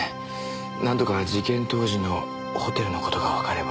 なんとか事件当時のホテルの事がわかれば。